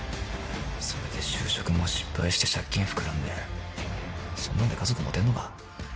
それで就職も失敗して借金膨らんでそんなんで家族持てんのか？